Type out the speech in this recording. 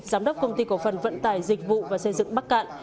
giám đốc công ty cổ phần vận tải dịch vụ và xây dựng bắc cạn